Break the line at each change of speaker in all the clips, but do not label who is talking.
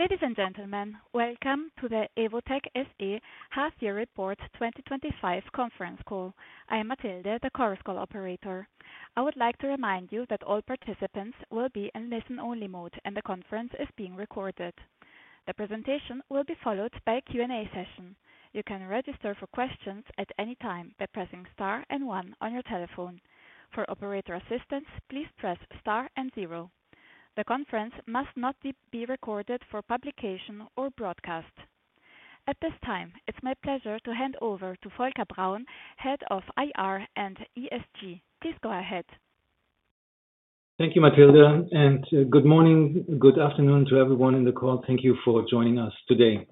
Ladies and gentlemen, welcome to the Evotec SE Half Year Report 2025 Conference Call. I am Matilde, the conference call operator. I would like to remind you that all participants will be in listen-only mode, and the conference is being recorded. The presentation will be followed by a Q&A session. You can register for questions at any time by pressing star and one on your telephone. For operator assistance, please press star and zero. The conference must not be recorded for publication or broadcast. At this time, it's my pleasure to hand over to Volker Braun, Head of IR and ESG. Please go ahead.
Thank you, Matilde, and good morning, good afternoon to everyone on the call. Thank you for joining us today.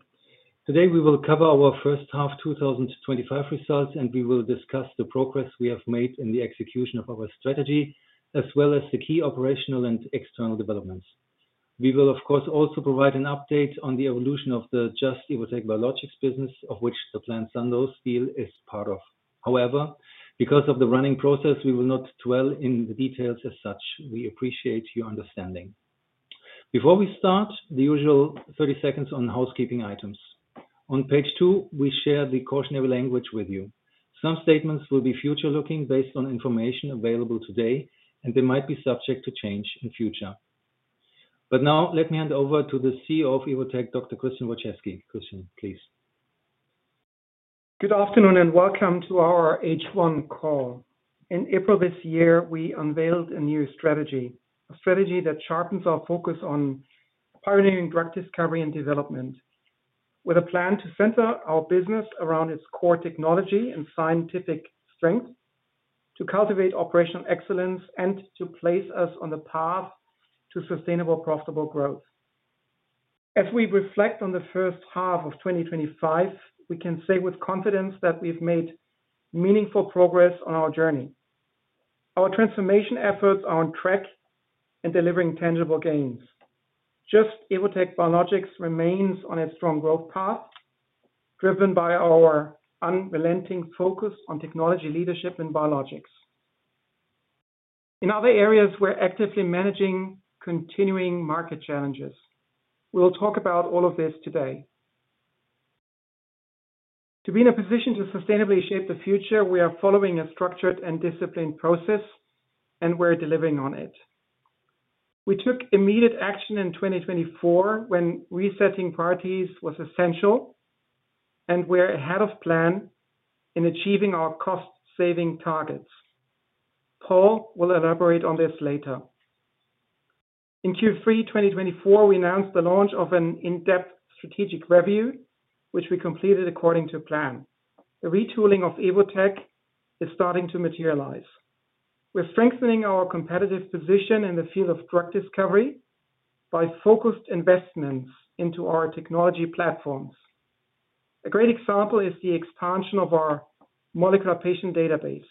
Today, we will cover our First Half 2025 Results, and we will discuss the progress we have made in the execution of our strategy, as well as the key operational and external developments. We will, of course, also provide an update on the evolution of the Just - Evotec Biologics business, of which the planned Sandoz deal is part of. However, because of the running process, we will not dwell in the details as such. We appreciate your understanding. Before we start, the usual 30 seconds on housekeeping items. On page two, we share the cautionary language with you. Some statements will be future-looking based on information available today, and they might be subject to change in the future. Now, let me hand over to the CEO of Evotec, Dr. Christian Wojczewski. Christian, please.
Good afternoon and welcome to our H1 call. In April this year, we unveiled a new strategy, a strategy that sharpens our focus on pioneering drug discovery and development, with a plan to center our business around its core technology and scientific strength, to cultivate operational excellence, and to place us on the path to sustainable, profitable growth. As we reflect on the first half of 2025, we can say with confidence that we've made meaningful progress on our journey. Our transformation efforts are on track and delivering tangible gains. Just - Evotec Biologics remains on its strong growth path, driven by our unrelenting focus on technology leadership in biologics. In other areas, we're actively managing continuing market challenges. We'll talk about all of this today. To be in a position to sustainably shape the future, we are following a structured and disciplined process, and we're delivering on it. We took immediate action in 2024 when resetting priorities was essential, and we're ahead of plan in achieving our cost-saving targets. Paul will elaborate on this later. In Q3 2024, we announced the launch of an in-depth strategic review, which we completed according to plan. The retooling of Evotec is starting to materialize. We're strengthening our competitive position in the field of drug discovery by focused investments into our technology platforms. A great example is the expansion of our molecular patient database.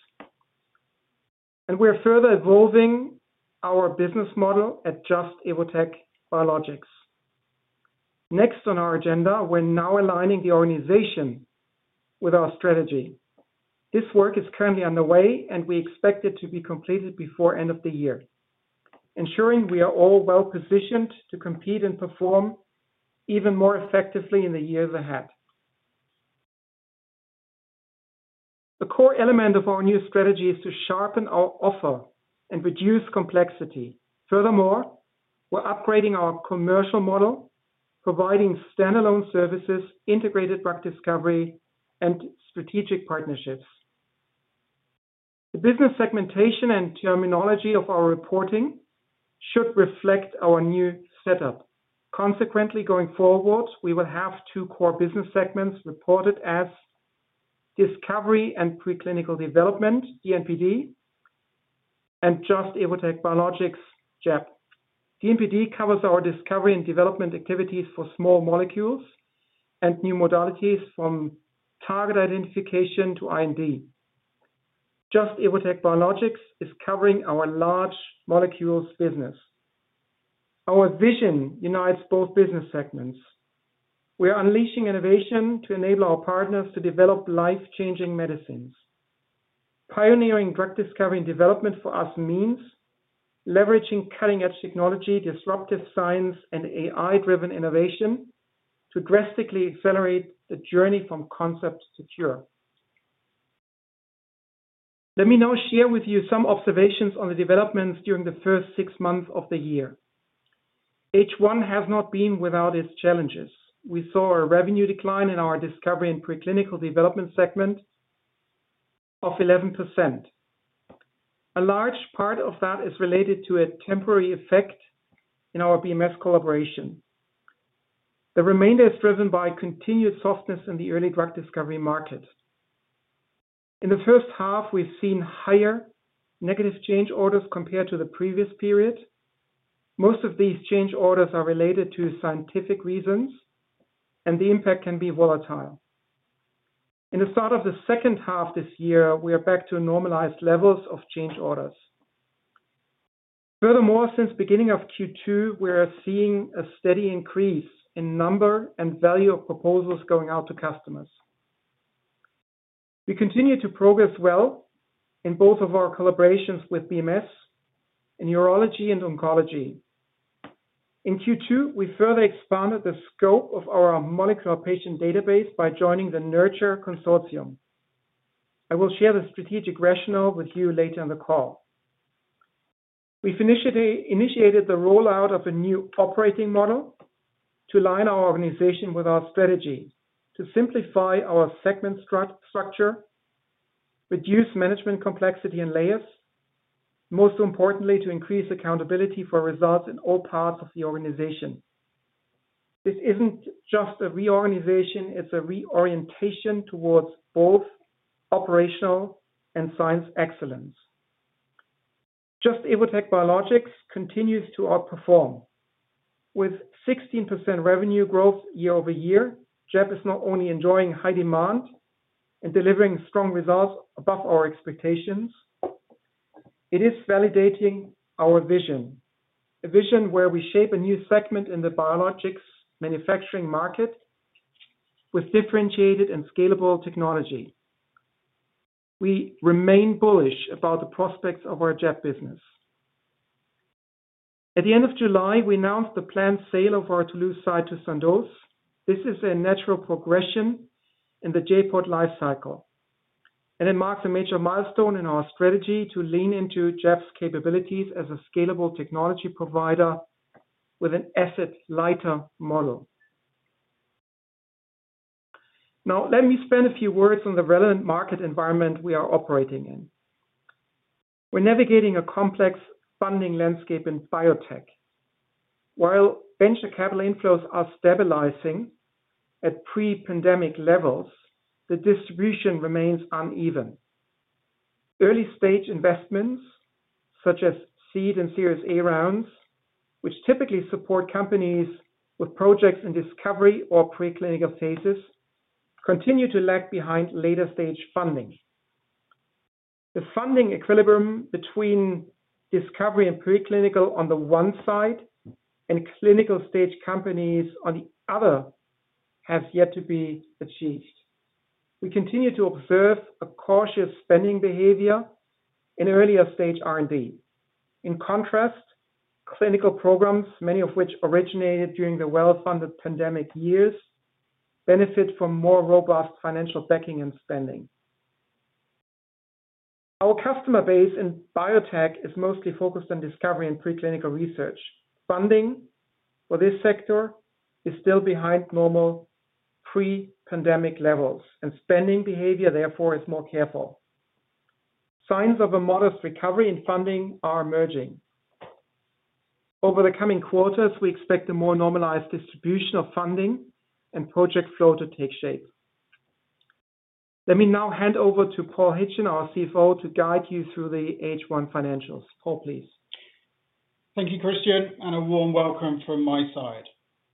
We're further evolving our business model at Just - Evotec Biologics. Next on our agenda, we're now aligning the organization with our strategy. This work is currently underway, and we expect it to be completed before the end of the year, ensuring we are all well positioned to compete and perform even more effectively in the years ahead. A core element of our new strategy is to sharpen our offer and reduce complexity. Furthermore, we're upgrading our commercial model, providing standalone services, integrated drug discovery, and strategic partnerships. The business segmentation and terminology of our reporting should reflect our new setup. Consequently, going forward, we will have two core business segments reported as Discovery and Preclinical Development, D&PD, and Just - Evotec Biologics, JEB. D&PD covers our discovery and development activities for small molecules and new modalities from target identification to IND. Just - Evotec Biologics is covering our large molecules business. Our vision unites both business segments. We are unleashing innovation to enable our partners to develop life-changing medicines. Pioneering drug discovery and development for us means leveraging cutting-edge technology, disruptive science, and AI-driven innovation to drastically accelerate the journey from concept to cure. Let me now share with you some observations on the developments during the first six months of the year. H1 has not been without its challenges. We saw a revenue decline in our Discovery and Preclinical Development segment of 11%. A large part of that is related to a temporary effect in our BMS collaboration. The remainder is driven by continued softness in the early drug discovery market. In the first half, we've seen higher negative change orders compared to the previous period. Most of these change orders are related to scientific reasons, and the impact can be volatile. At the start of the second half this year, we are back to normalized levels of change orders. Furthermore, since the beginning of Q2, we are seeing a steady increase in the number and value of proposals going out to customers. We continue to progress well in both of our collaborations with BMS in urology and oncology. In Q2, we further expanded the scope of our molecular patient database by joining the NURTuRE Consortium. I will share the strategic rationale with you later in the call. We've initiated the rollout of a new operating model to align our organization with our strategy, to simplify our segment structure, reduce management complexity and layers, and most importantly, to increase accountability for results in all parts of the organization. This isn't just a reorganization; it's a reorientation towards both operational and science excellence. Just - Evotec Biologics continues to outperform. With 16% revenue growth year-over-year, JEB is not only enjoying high demand and delivering strong results above our expectations, it is validating our vision, a vision where we shape a new segment in the biologics manufacturing market with differentiated and scalable technology. We remain bullish about the prospects of our JEB business. At the end of July, we announced the planned sale of our Toulouse site to Sandoz. This is a natural progression in the J.POD lifecycle, and it marks a major milestone in our strategy to lean into JEB's capabilities as a scalable technology provider with an asset lighter model. Now, let me spend a few words on the relevant market environment we are operating in. We're navigating a complex funding landscape in biotech. While venture capital inflows are stabilizing at pre-pandemic levels, the distribution remains uneven. Early-stage investments, such as seed and Series A rounds, which typically support companies with projects in discovery or preclinical phases, continue to lag behind later-stage funding. The funding equilibrium between discovery and preclinical on the one side and clinical-stage companies on the other has yet to be achieved. We continue to observe a cautious spending behavior in earlier-stage R&D. In contrast, clinical programs, many of which originated during the well-funded pandemic years, benefit from more robust financial backing and spending. Our customer base in biotech is mostly focused on discovery and preclinical research. Funding for this sector is still behind normal pre-pandemic levels, and spending behavior therefore is more careful. Signs of a modest recovery in funding are emerging. Over the coming quarters, we expect a more normalized distribution of funding and project flow to take shape. Let me now hand over to Paul Hitchin, our CFO, to guide you through the H1 financials. Paul, please.
Thank you, Christian, and a warm welcome from my side.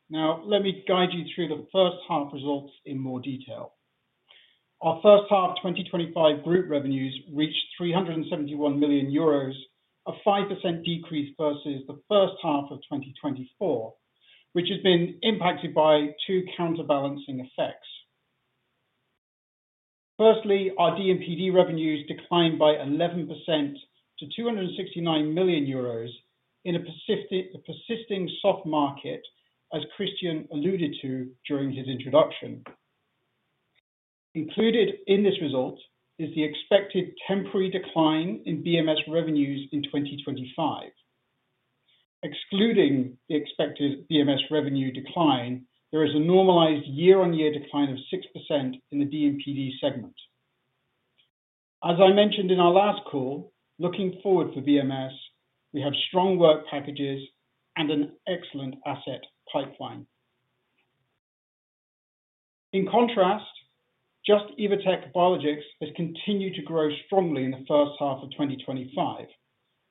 Now, let me guide you through the first half results in more detail. Our first half of 2025 group revenues reached 371 million euros, a 5% decrease versus the first half of 2024, which had been impacted by two counterbalancing effects. Firstly, our D&PD revenues declined by 11% to 269 million euros in a persisting soft market, as Christian alluded to during his introduction. Included in this result is the expected temporary decline in BMS revenues in 2025. Excluding the expected BMS revenue decline, there is a normalized year-on-year decline of 6% in the D&PD segment. As I mentioned in our last call, looking forward for BMS, we have strong work packages and an excellent asset pipeline. In contrast, Just - Evotec Biologics has continued to grow strongly in the first half of 2025,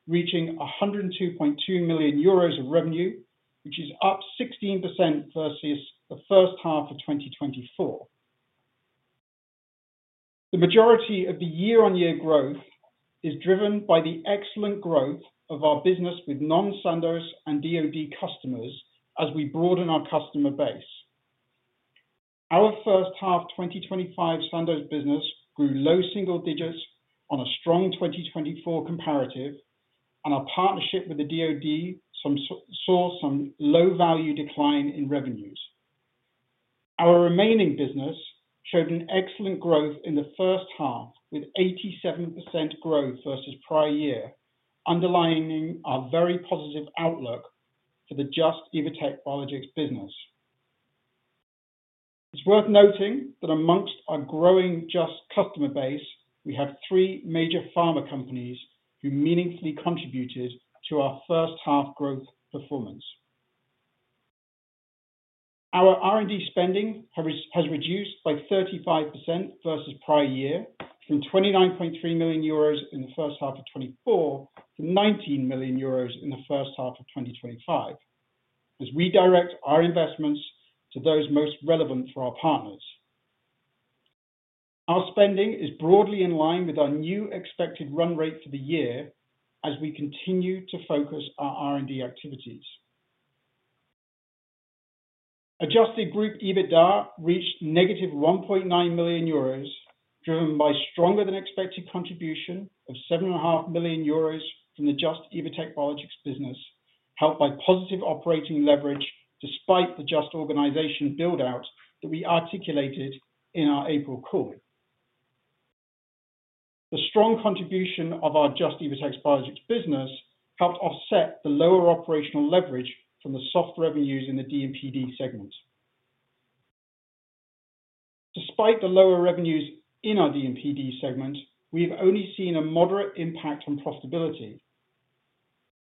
reaching 102.2 million euros of revenue, which is up 16% versus the first half of 2024. The majority of the year-on-year growth is driven by the excellent growth of our business with non-Sandoz and DOD customers as we broaden our customer base. Our first half 2025 Sandoz business grew low single digits on a strong 2024 comparative, and our partnership with the DOD saw some low-value decline in revenues. Our remaining business showed an excellent growth in the first half, with 87% growth versus prior year, underlining our very positive outlook for the Just - Evotec Biologics business. It's worth noting that amongst our growing Just customer base, we have three major pharma companies who meaningfully contributed to our first half growth performance. Our R&D spending has reduced by 35% versus prior year, from 29.3 million euros in the first half of 2024 to 19 million euros in the first half of 2025, as we direct our investments to those most relevant for our partners. Our spending is broadly in line with our new expected run rate for the year as we continue to focus our R&D activities. Adjusted group EBITDA reached -1.9 million euros, driven by a stronger-than-expected contribution of 7.5 million euros from the Just - Evotec Biologics business, helped by positive operating leverage despite the Just organization build-out that we articulated in our April call. The strong contribution of our Just - Evotec Biologics business helped offset the lower operational leverage from the soft revenues in the D&PD segment. Despite the lower revenues in our D&PD segment, we've only seen a moderate impact on profitability.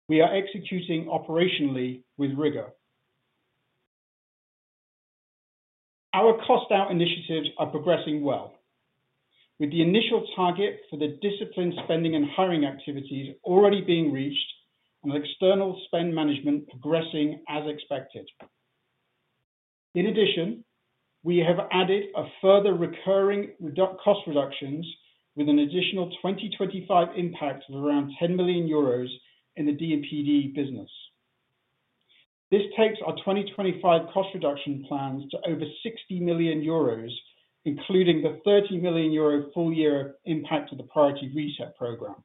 We are executing operationally with rigor. Our cost-out initiatives are progressing well, with the initial target for the discipline spending and hiring activities already being reached, and external spend management progressing as expected. In addition, we have added further recurring cost reductions with an additional 2025 impact of around 10 million euros in the D&PD business. This takes our 2025 cost reduction plans to over 60 million euros, including the 30 million euro full-year impact of the priority reset program.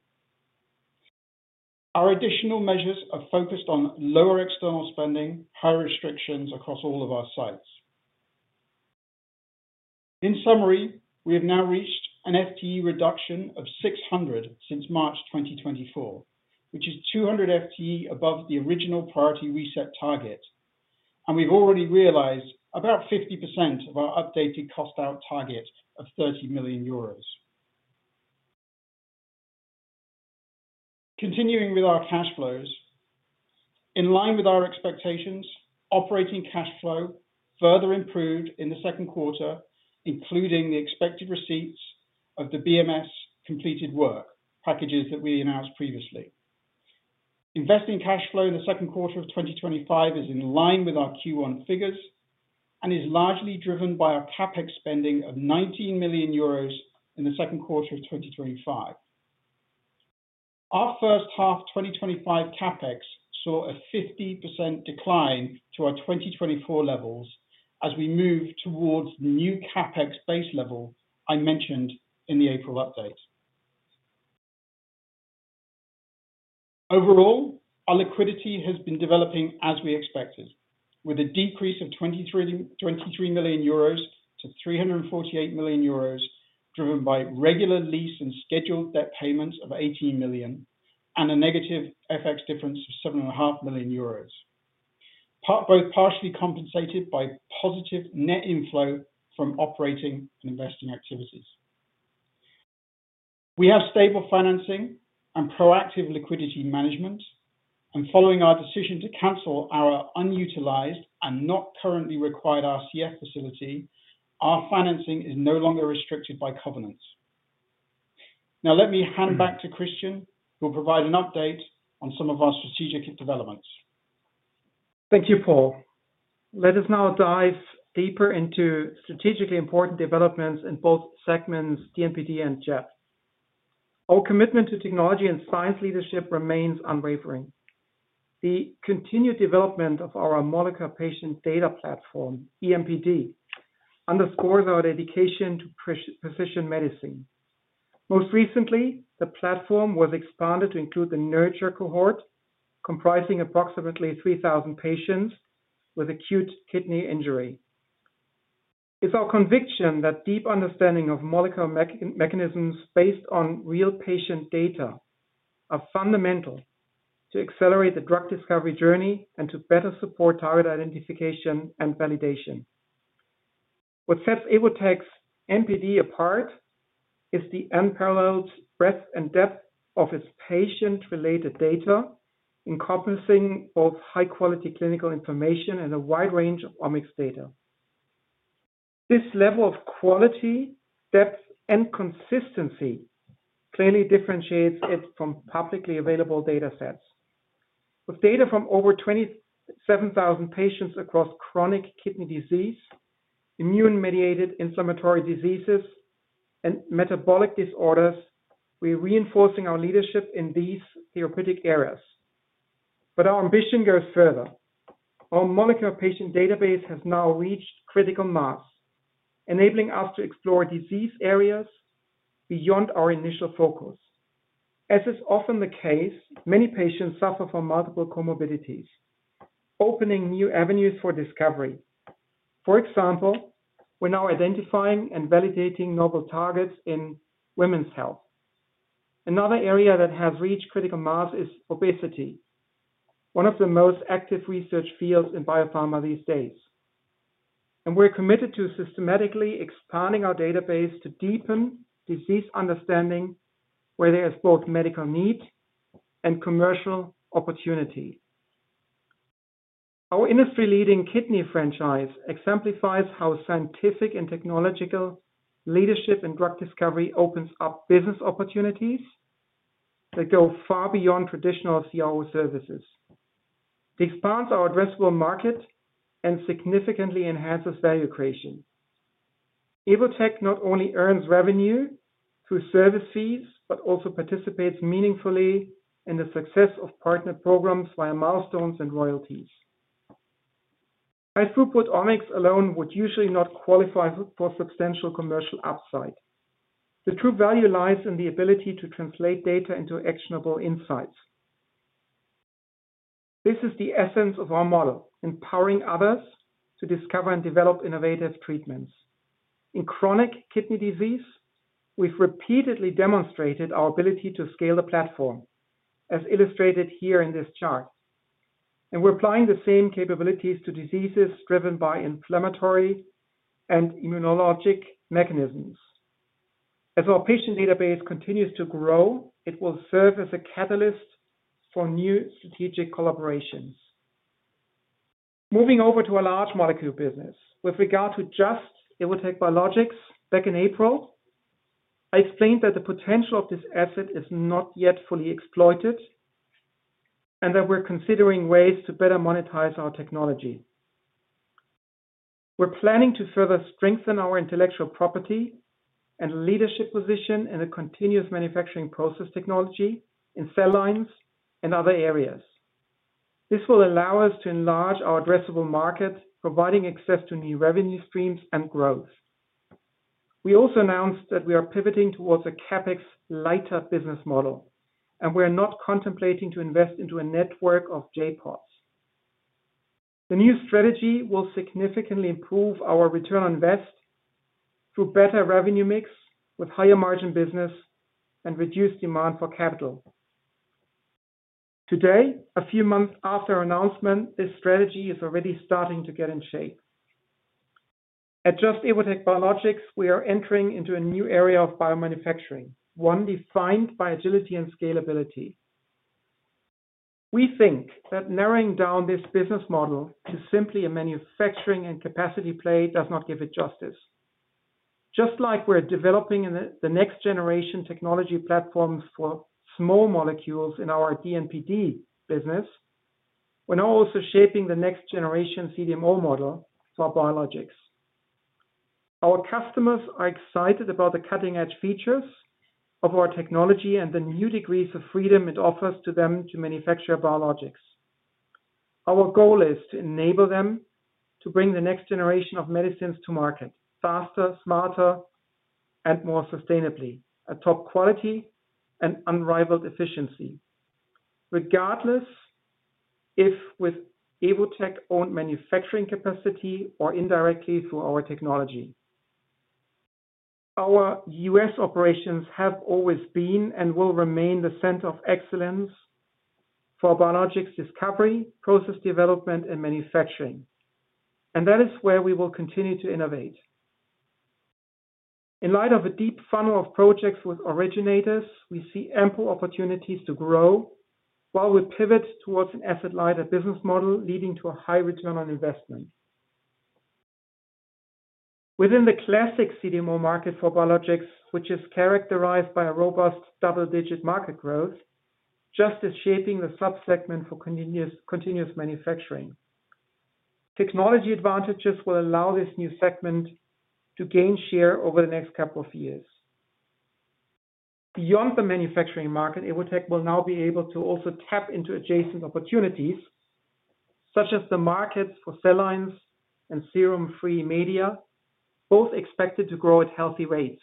Our additional measures are focused on lower external spending and higher restrictions across all of our sites. In summary, we have now reached an FTE reduction of 600 since March 2024, which is 200 FTE above the original priority reset target, and we've already realized about 50% of our updated cost-out target of EUR 30 million. Continuing with our cash flows, in line with our expectations, operating cash flow further improved in the second quarter, including the expected receipts of the BMS completed work packages that we announced previously. Investing cash flow in the second quarter of 2025 is in line with our Q1 figures and is largely driven by our CapEx spending of 19 million euros in the second quarter of 2025. Our first half 2025 CapEx saw a 50% decline to our 2024 levels as we moved towards the new CapEx base level I mentioned in the April update. Overall, our liquidity has been developing as we expected, with a decrease of 23 million euros to 348 million euros, driven by regular lease and scheduled debt payments of 18 million and a negative FX difference of 7.5 million euros, both partially compensated by positive net inflow from operating and investing activities. We have stable financing and proactive liquidity management, and following our decision to cancel our unutilized and not currently required RCF facility, our financing is no longer restricted by covenants. Now, let me hand back to Christian, who will provide an update on some of our strategic developments.
Thank you, Paul. Let us now dive deeper into strategically important developments in both segments, D&PD and JEB. Our commitment to technology and science leadership remains unwavering. The continued development of our molecular patient data platform, E.MPD, underscores our dedication to precision medicine. Most recently, the platform was expanded to include the NURTuRE cohort, comprising approximately 3,000 patients with acute kidney injury. It's our conviction that deep understanding of molecular mechanisms based on real patient data is fundamental to accelerate the drug discovery journey and to better support target identification and validation. What sets Evotec's E.MPD apart is the unparalleled breadth and depth of its patient-related data, encompassing both high-quality clinical information and a wide range of omics data. This level of quality, depth, and consistency clearly differentiates it from publicly available datasets. With data from over 27,000 patients across chronic kidney disease, immune-mediated inflammatory diseases, and metabolic disorders, we're reinforcing our leadership in these therapeutic areas. Our ambition goes further. Our molecular patient database has now reached critical mass, enabling us to explore disease areas beyond our initial focus. As is often the case, many patients suffer from multiple comorbidities, opening new avenues for discovery. For example, we're now identifying and validating novel targets in women's health. Another area that has reached critical mass is obesity, one of the most active research fields in biopharma these days. We're committed to systematically expanding our database to deepen disease understanding where there is both medical need and commercial opportunity. Our industry-leading kidney franchise exemplifies how scientific and technological leadership in drug discovery opens up business opportunities that go far beyond traditional CRO services. It expands our addressable market and significantly enhances value creation. Evotec not only earns revenue through service fees, but also participates meaningfully in the success of partner programs via milestones and royalties. In fact, omics alone would usually not qualify for substantial commercial upside. The true value lies in the ability to translate data into actionable insights. This is the essence of our model, empowering others to discover and develop innovative treatments. In chronic kidney disease, we've repeatedly demonstrated our ability to scale the platform, as illustrated here in this chart. We're applying the same capabilities to diseases driven by inflammatory and immunologic mechanisms. As our patient database continues to grow, it will serve as a catalyst for new strategic collaborations. Moving over to a large molecule business, with regard to Just - Evotec Biologics, back in April, I explained that the potential of this asset is not yet fully exploited and that we're considering ways to better monetize our technology. We're planning to further strengthen our intellectual property and leadership position in the continuous manufacturing process technology in cell lines and other areas. This will allow us to enlarge our addressable market, providing access to new revenue streams and growth. We also announced that we are pivoting towards a CapEx lighter business model, and we're not contemplating to invest into a network of J.PODs. The new strategy will significantly improve our return on investment through better revenue mix with higher margin business and reduced demand for capital. Today, a few months after our announcement, this strategy is already starting to get in shape. At Just - Evotec Biologics, we are entering into a new area of biomanufacturing, one defined by agility and scalability. We think that narrowing down this business model to simply a manufacturing and capacity play does not give it justice. Just like we're developing the next-generation technology platforms for small molecules in our D&PD business, we're now also shaping the next-generation CDMO model for biologics. Our customers are excited about the cutting-edge features of our technology and the new degrees of freedom it offers to them to manufacture biologics. Our goal is to enable them to bring the next generation of medicines to market faster, smarter, and more sustainably, at top quality and unrivaled efficiency, regardless if with Evotec-owned manufacturing capacity or indirectly through our technology. Our U.S. operations have always been and will remain the center of excellence for biologics discovery, process development, and manufacturing, and that is where we will continue to innovate. In light of a deep funnel of projects with originators, we see ample opportunities to grow while we pivot towards an asset-light business model, leading to a high return on investment. Within the classic CDMO market for biologics, which is characterized by a robust double-digit market growth, Just - Evotec Biologics is shaping the subsegment for continuous manufacturing. Technology advantages will allow this new segment to gain share over the next couple of years. Beyond the manufacturing market, Evotec will now be able to also tap into adjacent opportunities, such as the markets for cell lines and serum-free media, both expected to grow at healthy rates.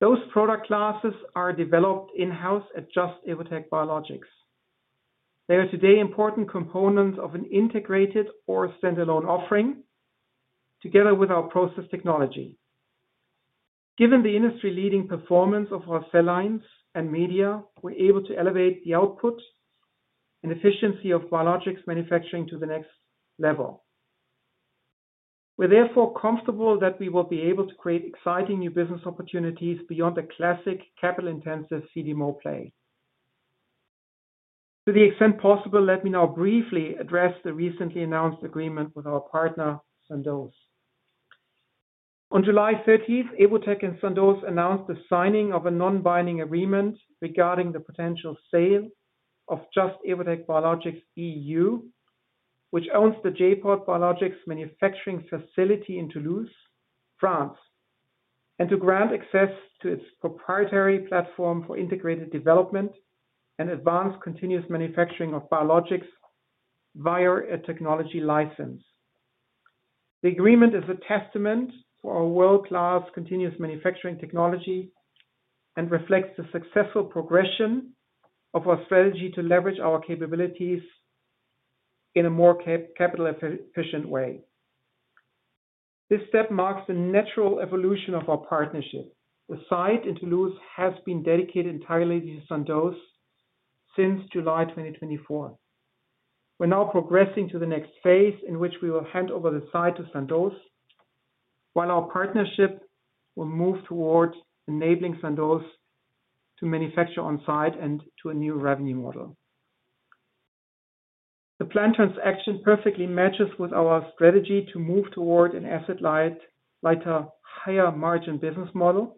Those product classes are developed in-house at Just - Evotec Biologics. They are today important components of an integrated or standalone offering, together with our process technology. Given the industry-leading performance of our cell lines and media, we're able to elevate the output and efficiency of biologics manufacturing to the next level. We're therefore comfortable that we will be able to create exciting new business opportunities beyond the classic capital-intensive CDMO play. To the extent possible, let me now briefly address the recently announced agreement with our partner, Sandoz. On July 30, Evotec SE and Sandoz announced the signing of a non-binding agreement regarding the potential sale of Just - Evotec Biologics EU, which owns the J.POD Toulouse facility in Toulouse, France, and to grant access to its proprietary platform for integrated development and advanced continuous manufacturing of biologics via a technology license. The agreement is a testament to our world-class continuous manufacturing technology and reflects the successful progression of our strategy to leverage our capabilities in a more capital-efficient way. This step marks the natural evolution of our partnership. The site in Toulouse has been dedicated entirely to Sandoz since July 2024. We're now progressing to the next phase in which we will hand over the site to Sandoz, while our partnership will move towards enabling Sandoz to manufacture on-site and to a new revenue model. The planned transaction perfectly matches with our strategy to move toward an asset-light, higher margin business model,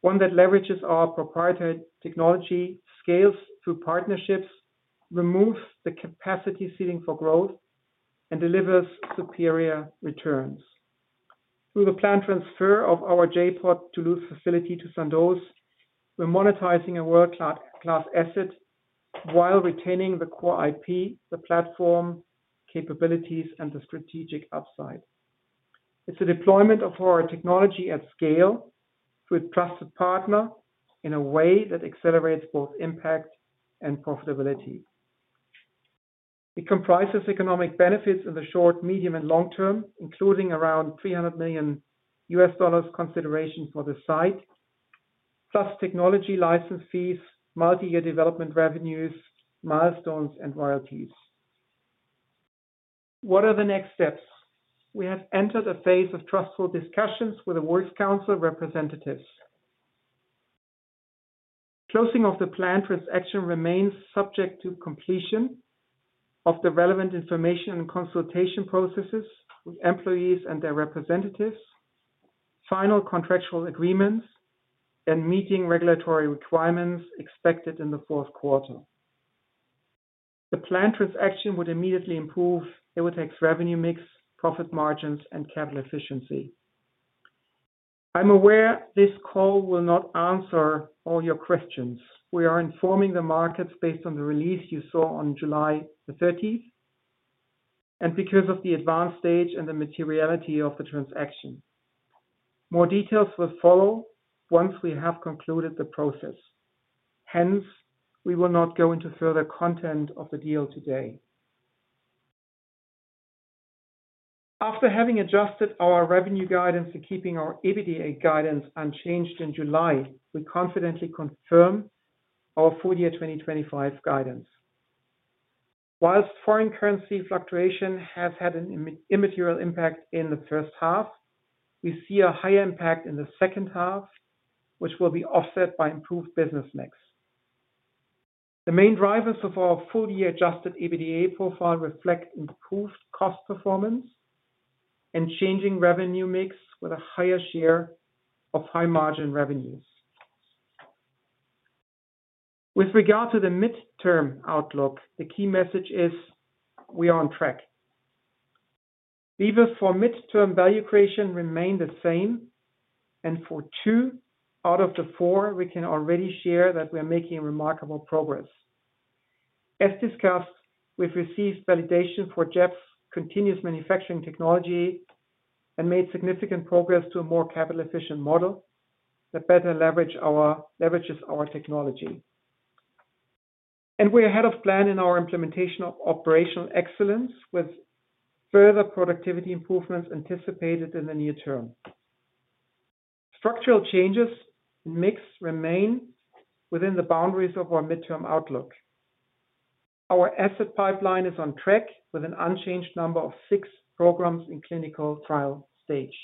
one that leverages our proprietary technology, scales through partnerships, removes the capacity ceiling for growth, and delivers superior returns. Through the planned transfer of our J.POD Toulouse facility to Sandoz, we're monetizing a world-class asset while retaining the core IP, the platform capabilities, and the strategic upside. It's the deployment of our technology at scale to its trusted partner in a way that accelerates both impact and profitability. It comprises economic benefits in the short, medium, and long term, including around $300 million considerations for the site, plus technology license fees, multi-year development revenues, milestones, and royalties. What are the next steps? We have entered a phase of trustful discussions with the Works Council representatives. Closing of the planned transaction remains subject to completion of the relevant information and consultation processes with employees and their representatives, final contractual agreements, and meeting regulatory requirements expected in the fourth quarter. The planned transaction would immediately improve Evotec's revenue mix, profit margins, and capital efficiency. I'm aware this call will not answer all your questions. We are informing the markets based on the release you saw on July 30, and because of the advanced stage and the materiality of the transaction, more details will follow once we have concluded the process. Hence, we will not go into further content of the deal today. After having adjusted our revenue guidance and keeping our EBITDA guidance unchanged in July, we confidently confirm our full-year 2025 guidance. Whilst foreign currency fluctuation has had an immaterial impact in the first half, we see a higher impact in the second half, which will be offset by improved business mix. The main drivers of our full-year adjusted EBITDA profile reflect improved cost performance and changing revenue mix with a higher share of high margin revenues. With regard to the midterm outlook, the key message is we are on track. Levers for midterm value creation remain the same, and for two out of the four, we can already share that we are making remarkable progress. As discussed, we've received validation for JEB's continuous manufacturing technology and made significant progress to a more capital-efficient model that better leverages our technology. We are ahead of plan in our implementation of operational excellence, with further productivity improvements anticipated in the near term. Structural changes in mix remain within the boundaries of our midterm outlook. Our asset pipeline is on track with an unchanged number of six programs in clinical trial stage.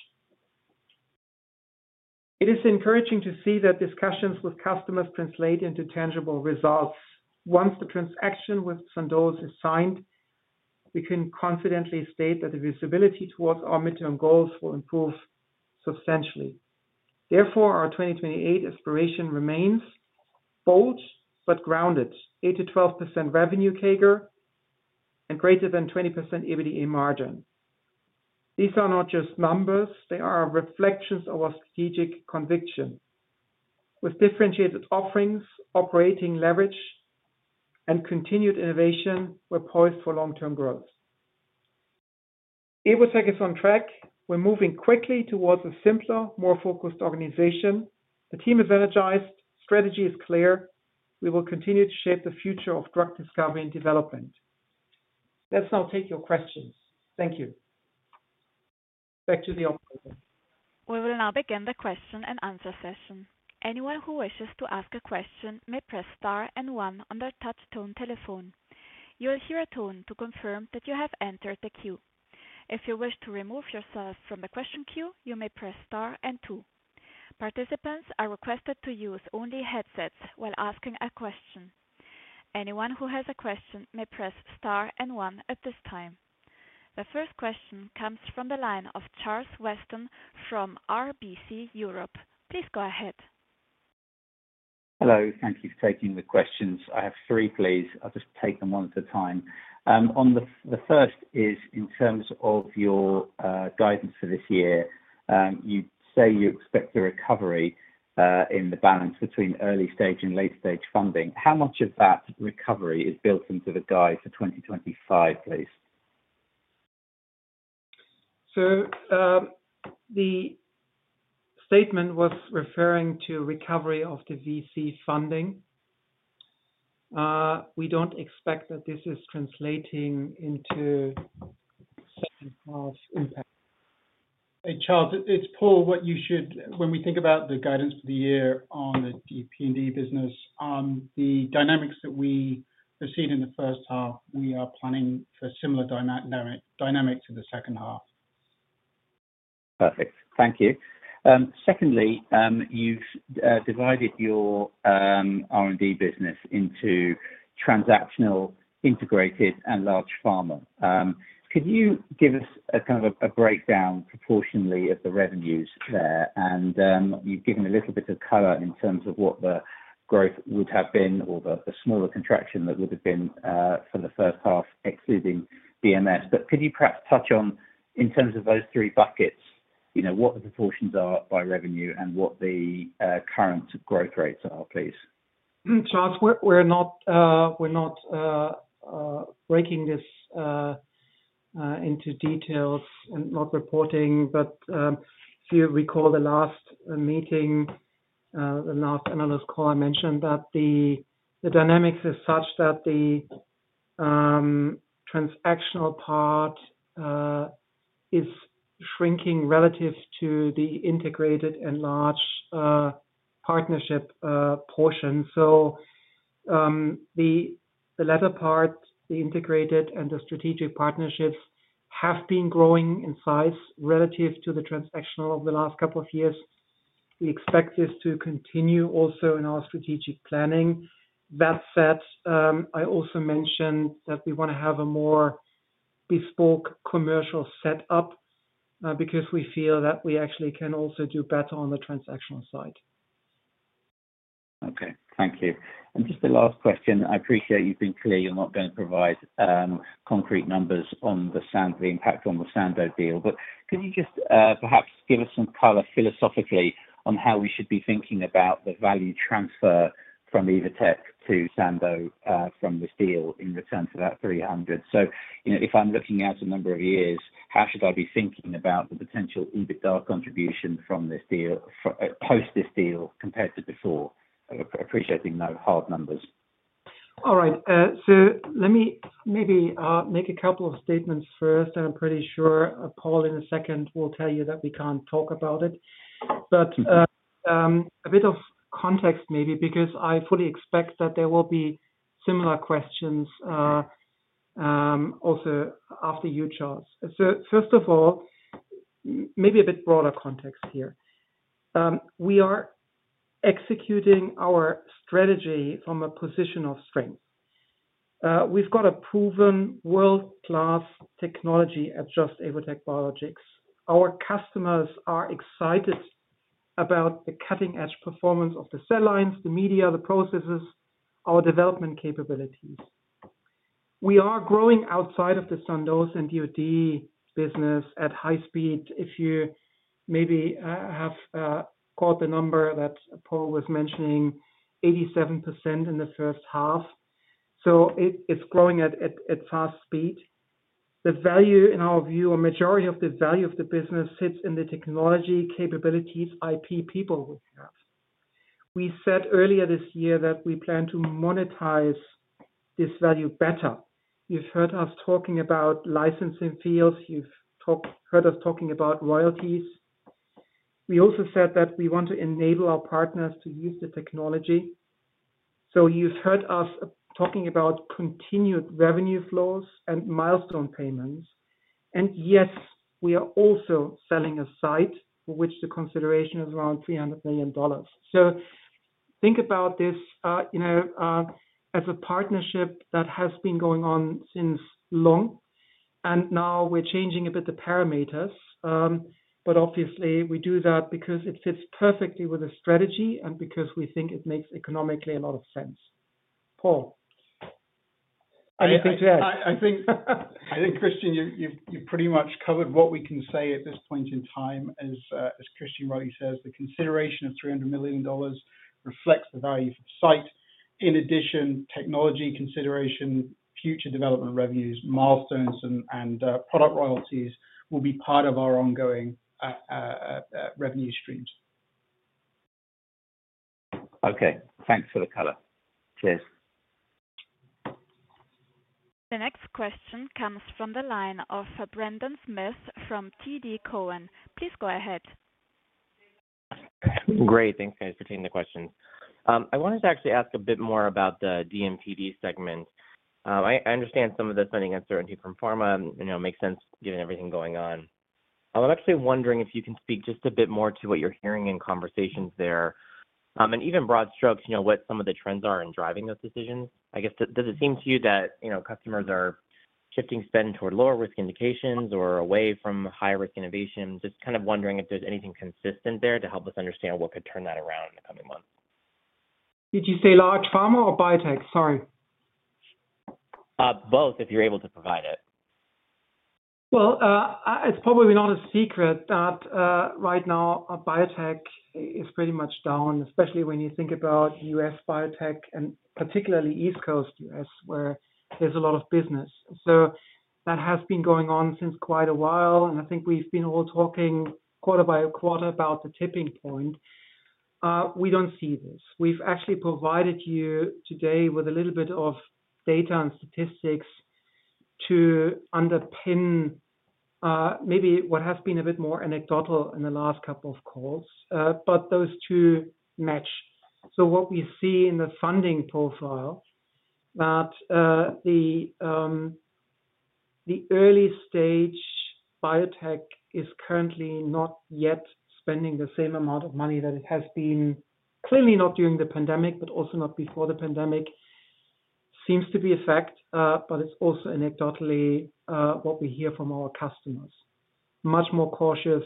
It is encouraging to see that discussions with customers translate into tangible results. Once the transaction with Sandoz is signed, we can confidently state that the visibility towards our midterm goals will improve substantially. Therefore, our 2028 aspiration remains bold but grounded: 8%-12% revenue CAGR and greater than 20% EBITDA margin. These are not just numbers, they are reflections of our strategic conviction. With differentiated offerings, operating leverage, and continued innovation, we're poised for long-term growth. Evotec is on track. We're moving quickly towards a simpler, more focused organization. The team is energized. Strategy is clear. We will continue to shape the future of drug discovery and development. Let's now take your questions. Thank you. Back to the operator.
We will now begin the question and answer session. Anyone who wishes to ask a question may press star and one on their touch tone telephone. You'll hear a tone to confirm that you have entered the queue. If you wish to remove yourself from the question queue, you may press star and two. Participants are requested to use only headsets while asking a question. Anyone who has a question may press star and one at this time. The first question comes from the line of Charles Weston from RBC Europe. Please go ahead.
Hello. Thank you for taking the questions. I have three, please. I'll just take them one at a time. The first is in terms of your guidance for this year. You say you expect a recovery in the balance between early stage and late stage funding. How much of that recovery is built into the guide for 2025, please?
The statement was referring to recovery of the VC funding. We don't expect that this is translating into such a large impact.
Hey, Charles. It's Paul. When we think about the guidance for the year on the D&PD business, the dynamics that we proceed in the first half, we are planning for similar dynamics in the second half.
Perfect. Thank you. Secondly, you've divided your R&D business into transactional, integrated, and large pharma. Could you give us a kind of a breakdown proportionally of the revenues there? You've given a little bit of color in terms of what the growth would have been or the smaller contraction that would have been for the third half, excluding BMS. Could you perhaps touch on, in terms of those three buckets, what the proportions are by revenue and what the current growth rates are, please?
Charles, we're not breaking this into details and not reporting. If you recall the last meeting, the last analyst call, I mentioned that the dynamics are such that the transactional part is shrinking relative to the integrated and large partnership portion. The latter part, the integrated and the strategic partnerships, have been growing in size relative to the transactional over the last couple of years. We expect this to continue also in our strategic planning. That said, I also mentioned that we want to have a more bespoke commercial setup, because we feel that we actually can also do better on the transactional side.
Thank you. I appreciate you've been clear you're not going to provide concrete numbers on the impact on the Sandoz deal. Could you just perhaps give us some color, philosophically, on how we should be thinking about the value transfer from Evotec to Sandoz from this deal in return for that $300 million? If I'm looking out a number of years, how should I be thinking about the potential EBITDA contribution from this deal post this deal compared to before? I appreciate you're giving those hard numbers.
All right. Let me maybe make a couple of statements first, and I'm pretty sure Paul in a second will tell you that we can't talk about it. A bit of context maybe because I fully expect that there will be similar questions, also after you, Charles. First of all, maybe a bit broader context here. We are executing our strategy from a position of strength. We've got a proven world-class technology at Just - Evotec Biologics. Our customers are excited about the cutting-edge performance of the cell lines, the media, the processes, our development capabilities. We are growing outside of the Sandoz and DOD business at high speed. If you maybe have caught the number that Paul was mentioning, 87% in the first half. It's growing at fast speed. The value, in our view, a majority of the value of the business sits in the technology capabilities, IP, people we have. We said earlier this year that we plan to monetize this value better. You've heard us talking about licensing fees. You've heard us talking about royalties. We also said that we want to enable our partners to use the technology. You've heard us talking about continued revenue flows and milestone payments. Yes, we are also selling a site, which the consideration is around $300 million. Think about this as a partnership that has been going on since long, and now we're changing a bit the parameters. Obviously, we do that because it fits perfectly with the strategy and because we think it makes economically a lot of sense. Paul, anything to add?
I think, Christian, you've pretty much covered what we can say at this point in time. As Christian rightly says, the consideration of $300 million reflects the value for the site. In addition, technology consideration, future development revenues, milestones, and product royalties will be part of our ongoing revenue streams.
Okay, thanks for the color. Cheers.
The next question comes from the line of Brendan Smith from TD Cowen. Please go ahead.
Great. Thanks, thanks for taking the question. I wanted to actually ask a bit more about the D&PD segment. I understand some of the spending uncertainty from pharma, you know, makes sense given everything going on. I'm actually wondering if you can speak just a bit more to what you're hearing in conversations there, and even broad strokes, you know, what some of the trends are in driving those decisions. I guess, does it seem to you that, you know, customers are shifting spend toward lower risk indications or away from high-risk innovation? Just kind of wondering if there's anything consistent there to help us understand what could turn that around in the coming months.
Did you say large pharma or biotech? Sorry.
Both, if you're able to provide it.
It is probably not a secret that right now biotech is pretty much down, especially when you think about U.S. biotech and particularly East Coast U.S., where there is a lot of business. That has been going on for quite a while, and I think we have all been talking quarter by quarter about the tipping point. We do not see this. We have actually provided you today with a little bit of data and statistics to underpin maybe what has been a bit more anecdotal in the last couple of calls, but those two match. What we see in the funding profile is that the early stage biotech is currently not yet spending the same amount of money that it has been, clearly not during the pandemic, but also not before the pandemic. That seems to be a fact, but it is also anecdotally what we hear from our customers. Much more cautious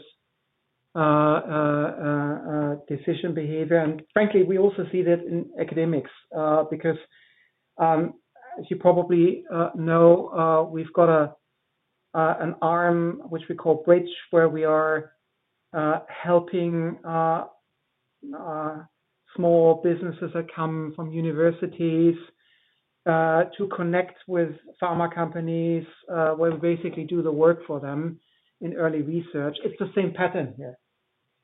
decision behavior. Frankly, we also see that in academics, because, as you probably know, we have got an arm which we call BRIDGE, where we are helping small businesses that come from universities to connect with pharma companies, where we basically do the work for them in early research. It is the same pattern here.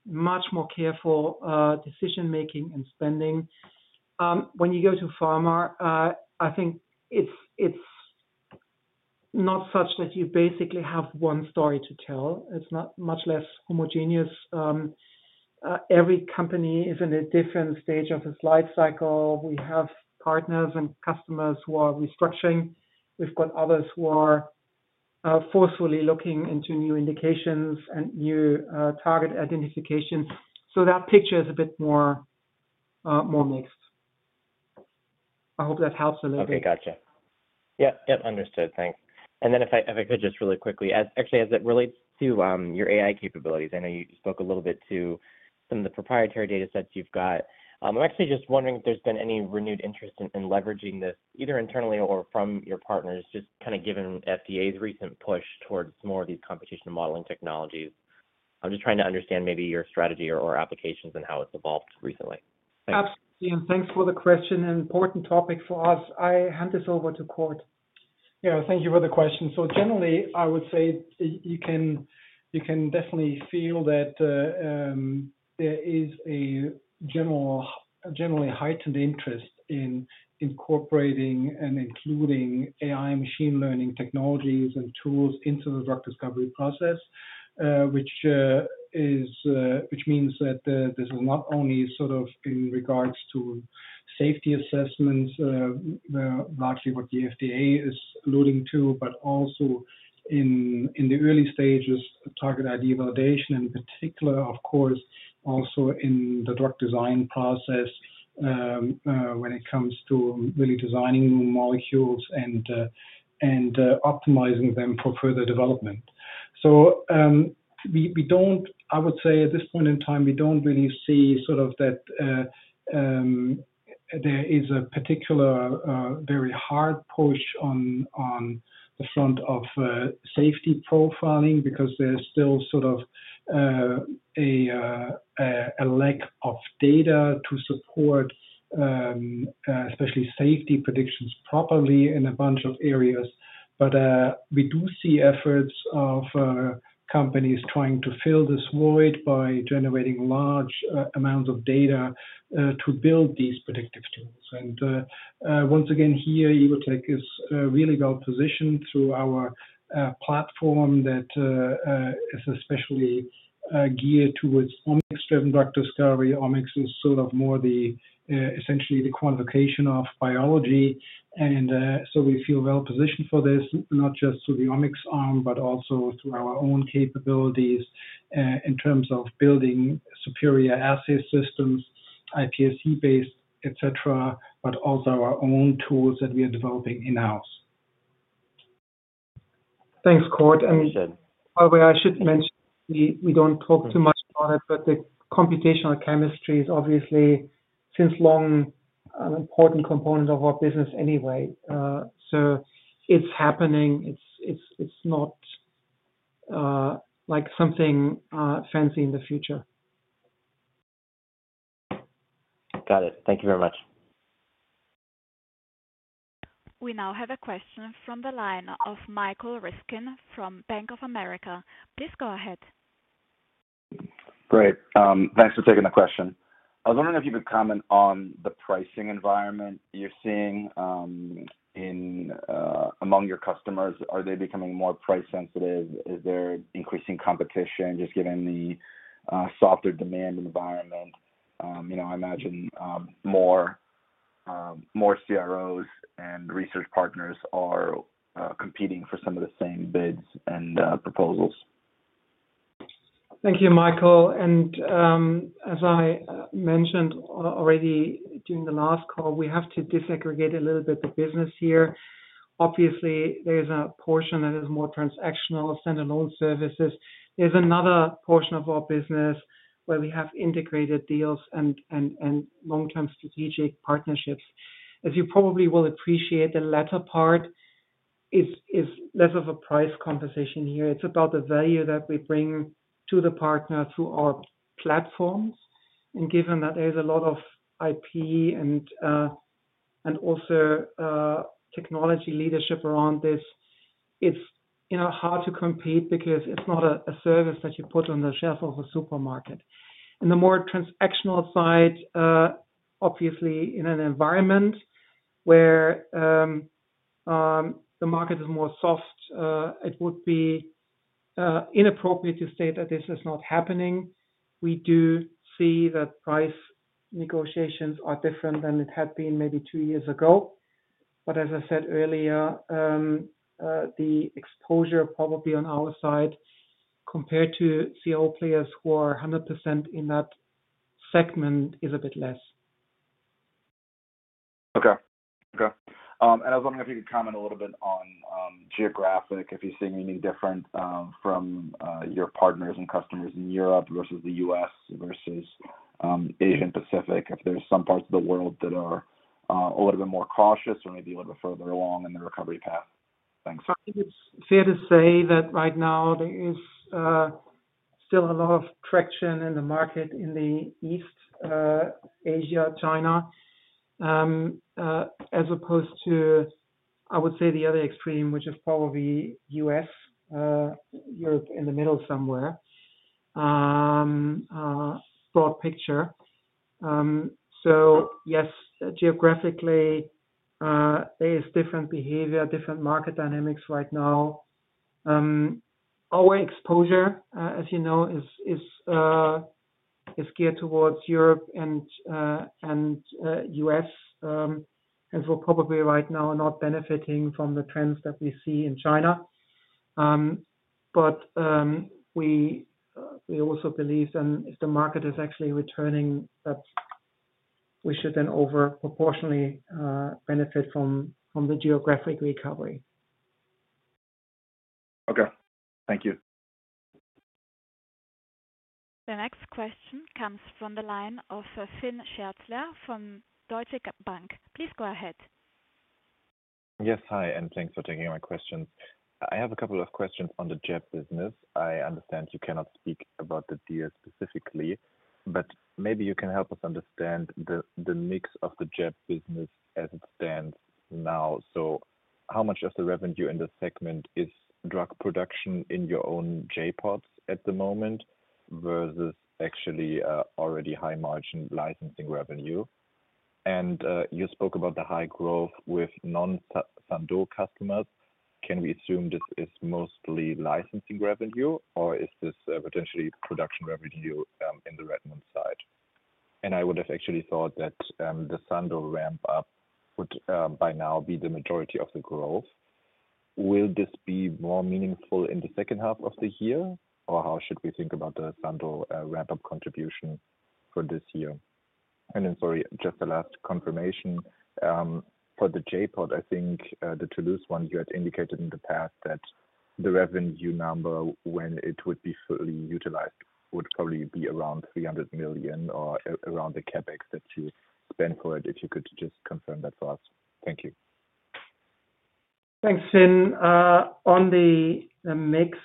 Much more careful decision-making and spending. When you go to pharma, I think it is not such that you basically have one story to tell. It is much less homogeneous. Every company is in a different stage of its life cycle. We have partners and customers who are restructuring. We have others who are forcefully looking into new indications and new target identification. That picture is a bit more mixed. I hope that helps a little bit.
Okay. Gotcha. Yep. Understood. Thanks. If I could just really quickly, as it relates to your AI capabilities, I know you spoke a little bit to some of the proprietary datasets you've got. I'm actually just wondering if there's been any renewed interest in leveraging this either internally or from your partners, given FDA's recent push towards more of these computational modeling technologies. I'm just trying to understand maybe your strategy or applications and how it's evolved recently.
Absolutely. Thanks for the question. An important topic for us. I hand this over to Cord.
Thank you for the question. Generally, I would say you can definitely feel that there is a generally heightened interest in incorporating and including AI machine learning technologies and tools into the drug discovery process, which means that this is not only in regards to safety assessments, largely what the FDA is alluding to, but also in the early stages, target ID validation, and in particular, of course, also in the drug design process, when it comes to really designing molecules and optimizing them for further development. We don't, I would say at this point in time, really see that there is a particular, very hard push on the front of safety profiling because there's still a lack of data to support, especially safety predictions properly in a bunch of areas. We do see efforts of companies trying to fill this void by generating large amounts of data to build these predictive tools. Once again here, Evotec is really well positioned through our platform that is especially geared towards omics-driven drug discovery. Omics is essentially the quantification of biology. We feel well positioned for this, not just through the omics arm, but also through our own capabilities in terms of building superior assay systems, iPSC-based, etc., but also our own tools that we are developing in-house.
Thanks, Cord. By the way, I should mention we don't talk too much about it, but the computational chemistry is obviously, since long, an important component of our business anyway. It's happening. It's not, like, something fancy in the future.
Got it. Thank you very much.
We now have a question from the line of Michael Ryskin from Bank of America. Please go ahead.
Great, thanks for taking the question. I was wondering if you could comment on the pricing environment you're seeing among your customers. Are they becoming more price-sensitive? Is there increasing competition just given the softer demand environment? I imagine more CROs and research partners are competing for some of the same bids and proposals.
Thank you, Michael. As I mentioned already during the last call, we have to disaggregate a little bit the business here. Obviously, there's a portion that is more transactional, standalone services. There's another portion of our business where we have integrated deals and long-term strategic partnerships. As you probably will appreciate, the latter part is less of a price conversation here. It's about the value that we bring to the partner through our platform. Given that there's a lot of IP and also technology leadership around this, it's hard to compete because it's not a service that you put on the shelf of a supermarket. The more transactional side, obviously, in an environment where the market is more soft, it would be inappropriate to say that this is not happening. We do see that price negotiations are different than it had been maybe two years ago. As I said earlier, the exposure probably on our side compared to CRO players who are 100% in that segment is a bit less.
Okay. I was wondering if you could comment a little bit on geographic, if you're seeing anything different from your partners and customers in Europe versus the U.S. versus in Pacific, if there's some parts of the world that are a little bit more cautious or maybe a little bit further along in the recovery path. Thanks.
I think it's fair to say that right now there is still a lot of traction in the market in the East, Asia, China, as opposed to, I would say, the other extreme, which is probably U.S., Europe in the middle somewhere. Broad picture. Yes, geographically, there is different behavior, different market dynamics right now. Our exposure, as you know, is geared towards Europe and U.S., and we're probably right now not benefiting from the trends that we see in China. We also believe then if the market is actually returning that we should then over proportionately benefit from the geographic recovery.
Okay. Thank you.
The next question comes from the line of Fynn Scherzler from Deutsche Bank. Please go ahead.
Yes. Hi, and thanks for taking my questions. I have a couple of questions on the JEB business. I understand you cannot speak about the deal specifically, but maybe you can help us understand the mix of the JEB business as it stands now. How much of the revenue in the segment is drug production in your own J.PODs at the moment versus actually already high margin licensing revenue? You spoke about the high growth with non-Sandoz customers. Can we assume this is mostly licensing revenue, or is this potentially production revenue in the Redmond side? I would have actually thought that the Sandoz ramp-up would by now be the majority of the growth. Will this be more meaningful in the second half of the year, or how should we think about the Sandoz ramp-up contribution for this year? Sorry, just the last confirmation, for the J.POD, I think the Toulouse one, you had indicated in the past that the revenue number when it would be fully utilized would probably be around $300 million or around the CapEx that you then provide, if you could just confirm that for us. Thank you.
Thanks, Fynn. On the mix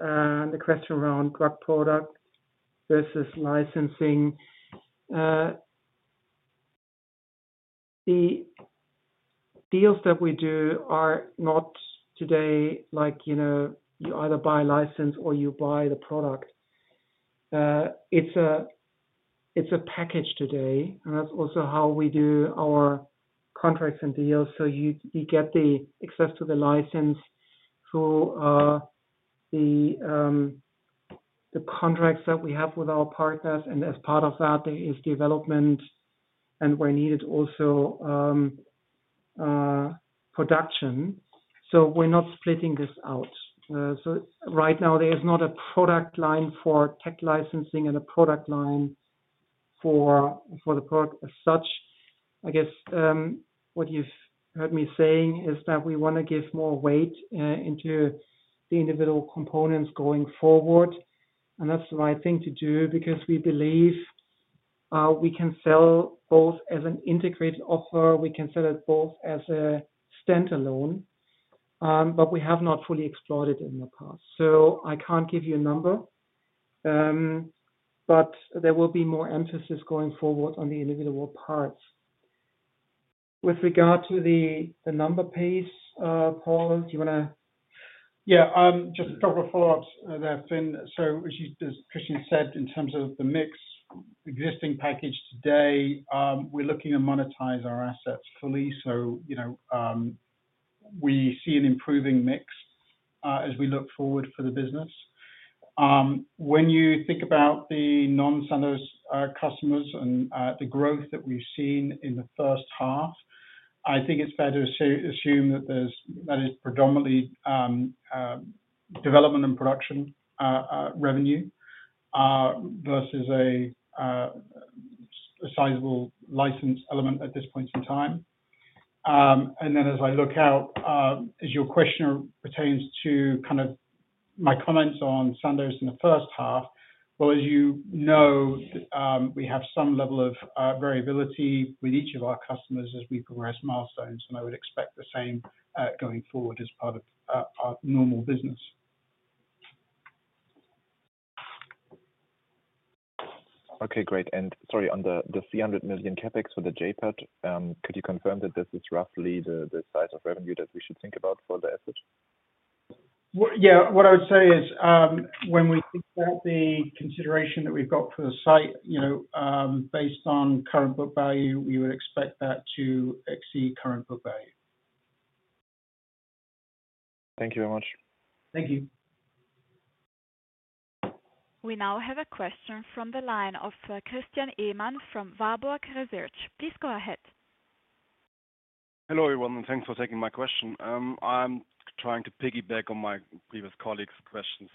and the question around drug product versus licensing, the deals that we do are not today like, you know, you either buy a license or you buy the product. It's a package today, and that's also how we do our contracts and deals. You get the access to the license through the contracts that we have with our partners. As part of that, there is development and, where needed, also production. We're not splitting this out. Right now, there is not a product line for tech licensing and a product line for the product as such. I guess what you've heard me saying is that we want to give more weight into the individual components going forward. That's the right thing to do because we believe we can sell both as an integrated offer. We can sell it both as a standalone, but we have not fully exploited it in the past. I can't give you a number, but there will be more emphasis going forward on the individual parts. With regard to the number piece, Paul, do you want to?
Yeah, just a couple of follow-ups there, Finn. As Christian just said, in terms of the mix existing package today, we're looking to monetize our assets fully. We see an improving mix as we look forward for the business. When you think about the non-Sandoz customers and the growth that we've seen in the first half, I think it's better to assume that is predominantly development and production revenue versus a sizable license element at this point in time. As I look out, as your question pertains to my comments on Sandoz in the first half, you know we have some level of variability with each of our customers as we progress milestones. I would expect the same going forward as part of our normal business.
Okay. Great. Sorry, on the $300 million CapEx for the J.POD, could you confirm that this is roughly the size of revenue that we should think about for the asset?
What I would say is, when we think about the consideration that we've got for the site, based on current book value, we would expect that to exceed current book value.
Thank you very much.
Thank you.
We now have a question from the line of Christian Ehmann from Warburg Research. Please go ahead.
Hello, everyone. Thanks for taking my question. I'm trying to piggyback on my previous colleague's question.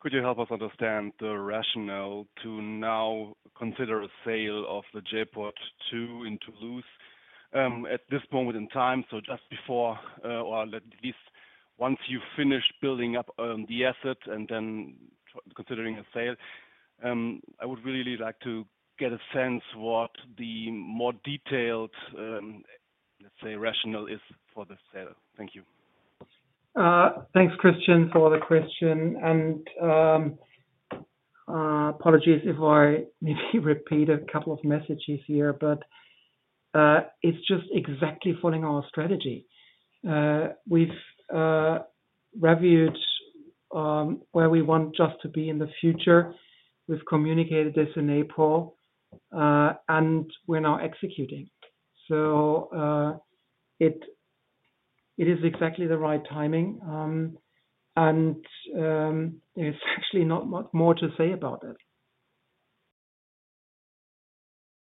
Could you help us understand the rationale to now consider a sale of the J.POD Toulouse facility at this moment in time? Just before, or at least once you finish building up the asset and then considering a sale, I would really like to get a sense of what the more detailed, let's say, rationale is for the sale. Thank you.
Thanks, Christian, for the question. Apologies if I need to repeat a couple of messages here, but it's just exactly following our strategy. We've reviewed where we want Just to be in the future. We've communicated this in April, and we're now executing. It is exactly the right timing, and there's actually not more to say about it.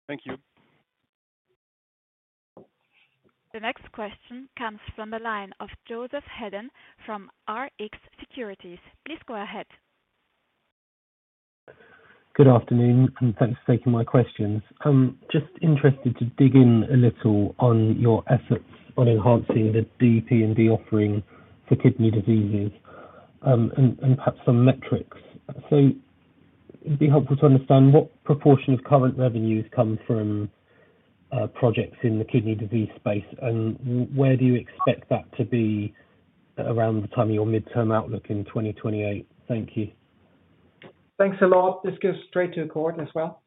Thank you.
The next question comes from the line of Joseph Hedden from Rx Securities. Please go ahead.
Good afternoon, and thanks for taking my questions. I'm just interested to dig in a little on your efforts on enhancing the D&PD offering for kidney diseases, and perhaps some metrics. It'd be helpful to understand what proportion of current revenues come from projects in the kidney disease space, and where do you expect that to be, around the time of your midterm outlook in 2028? Thank you.
Thanks a lot. This goes straight to Cord as well.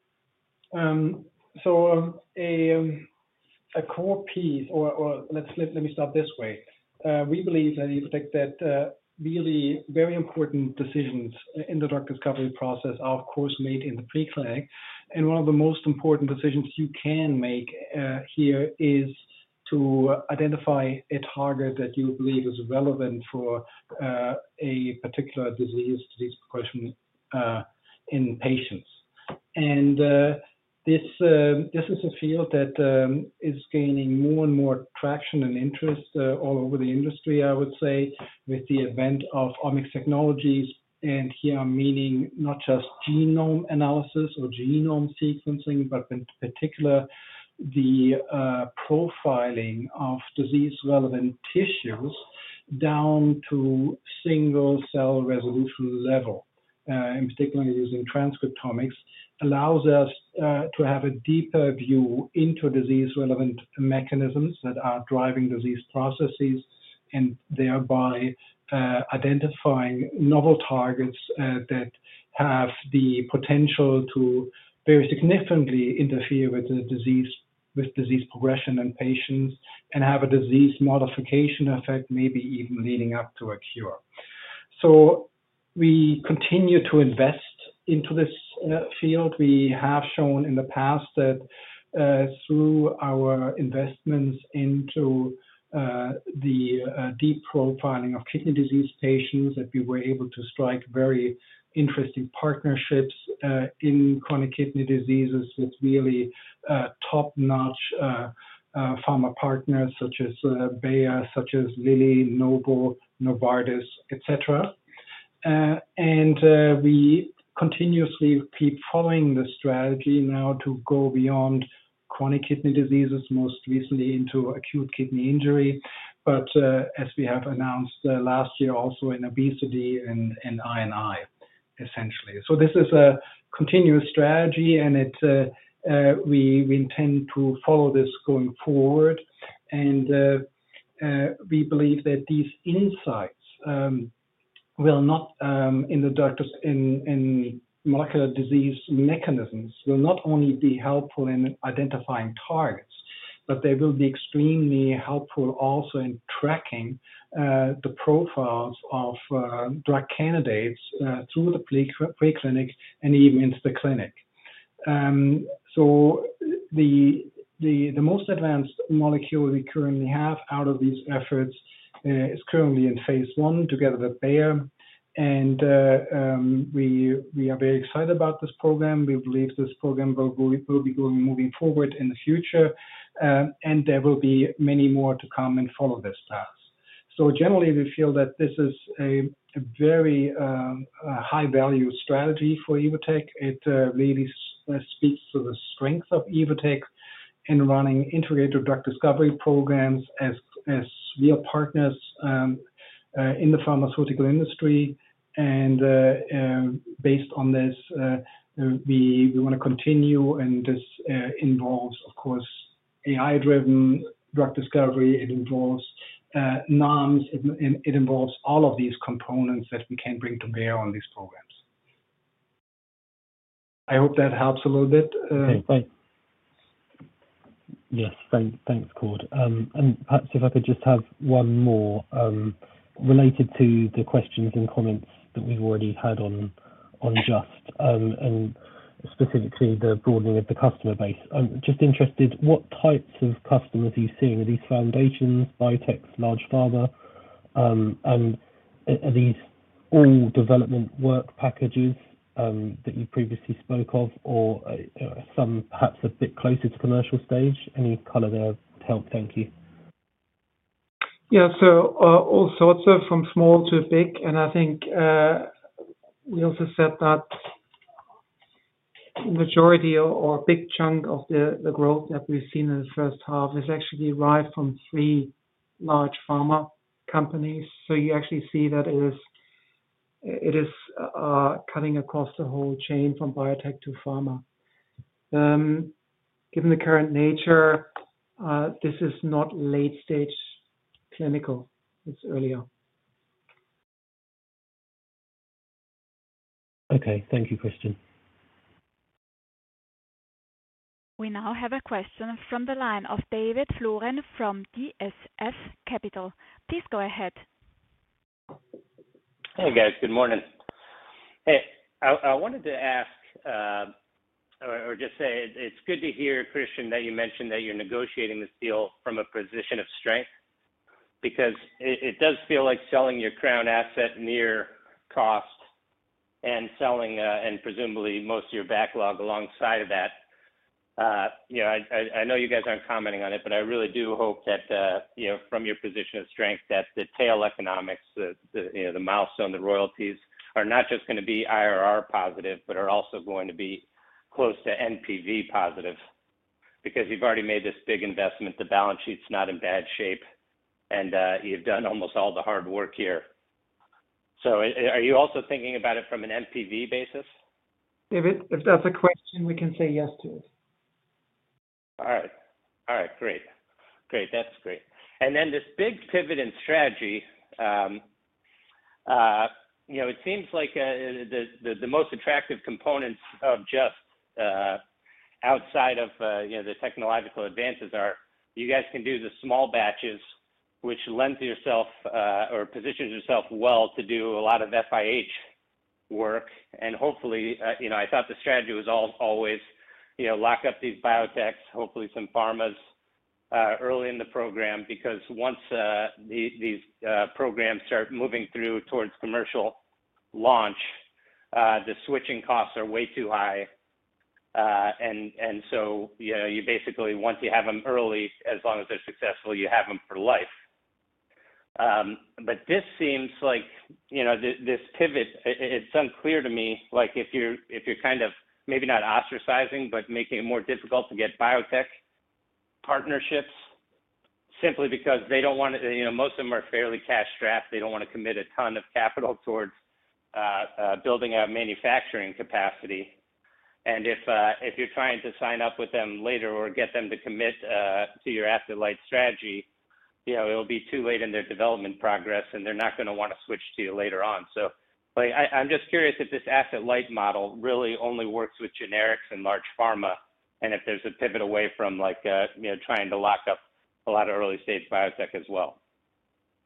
A core piece, or let me start this way. We believe that you predict that really very important decisions in the drug discovery process are, of course, made in the preclinic. One of the most important decisions you can make here is to identify a target that you believe is relevant for a particular disease progression in patients. This is a field that is gaining more and more traction and interest all over the industry, I would say, with the advent of omics technologies. Here, I'm meaning not just genome analysis or genome sequencing, but in particular, the profiling of disease-relevant tissues down to single-cell resolution level. In particular, using transcriptomics allows us to have a deeper view into disease-relevant mechanisms that are driving disease processes and thereby identifying novel targets that have the potential to very significantly interfere with disease progression in patients and have a disease modification effect, maybe even leading up to a cure. We continue to invest into this field. We have shown in the past that, through our investments into the deep profiling of kidney disease patients, we were able to strike very interesting partnerships in chronic kidney diseases with really top-notch pharma partners such as Bayer, such as Lilly, Novo, Novartis, etc. We continuously keep following the strategy now to go beyond chronic kidney diseases, most recently into acute kidney injury, but as we have announced last year, also in obesity and in INI, essentially. This is a continuous strategy, and we intend to follow this going forward. We believe that these insights in molecular disease mechanisms will not only be helpful in identifying targets, but they will be extremely helpful also in tracking the profiles of drug candidates through the preclinic and even into the clinic. The most advanced molecule we currently have out of these efforts is currently in phase one together with Bayer. We are very excited about this program. We believe this program will be moving forward in the future, and there will be many more to come and follow this path. Generally, we feel that this is a very high-value strategy for Evotec. It really speaks to the strength of Evotec in running integrated drug discovery programs as real partners in the pharmaceutical industry. Based on this, we want to continue, and this involves, of course, AI-driven drug discovery. It involves NAMs. It involves all of these components that we can bring to bear on these programs. I hope that helps a little bit.
Okay. Thanks.
Yes. Thanks, Cord. Perhaps if I could just have one more, related to the questions and comments that we've already had on Just, and specifically the broadening of the customer base. I'm just interested, what types of customers are you seeing? Are these foundations, biotechs, large pharma? Are these all development work packages that you previously spoke of, or some perhaps a bit closer to commercial stage? Any color there to help? Thank you.
All sorts of from small to big. I think we also said that the majority or a big chunk of the growth that we've seen in the first half is actually derived from three large pharma companies. You actually see that it is cutting across the whole chain from biotech to pharma. Given the current nature, this is not late-stage clinical. It's earlier.
Okay. Thank you, Christian.
We now have a question from the line of David Floren from DCF Capital. Please go ahead.
Hey, you guys. Good morning. I wanted to ask, or just say it's good to hear, Christian, that you mentioned that you're negotiating this deal from a position of strength because it does feel like selling your crown asset near cost and selling, and presumably most of your backlog alongside of that. I know you guys aren't commenting on it, but I really do hope that, from your position of strength, that the tail economics, the milestone, the royalties are not just going to be IRR positive, but are also going to be close to NPV positive because you've already made this big investment. The balance sheet's not in bad shape, and you've done almost all the hard work here. Are you also thinking about it from an NPV basis?
David, if that's a question, we can say yes to it.
All right. Great. That's great. This big pivot in strategy, it seems like the most attractive components of Just, outside of the technological advances, are you guys can do the small batches, which lends yourself, or positions yourself well to do a lot of FIH work. Hopefully, I thought the strategy was always lock up these biotechs, hopefully some pharmas, early in the program because once these programs start moving through towards commercial launch, the switching costs are way too high. You basically, once you have them early, as long as they're successful, you have them for life. This seems like this pivot, it's unclear to me if you're maybe not ostracizing, but making it more difficult to get biotech partnerships simply because they don't want to, most of them are fairly cash strapped. They don't want to commit a ton of capital towards building out manufacturing capacity. If you're trying to sign up with them later or get them to commit to your asset light strategy, it'll be too late in their development progress, and they're not going to want to switch to you later on. I'm just curious if this asset light model really only works with generics and large pharma, and if there's a pivot away from trying to lock up a lot of early-stage biotech as well.